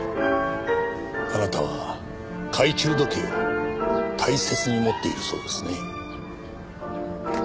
あなたは懐中時計を大切に持っているそうですね。